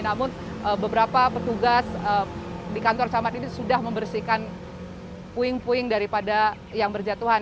namun beberapa petugas di kantor camat ini sudah membersihkan puing puing daripada yang berjatuhan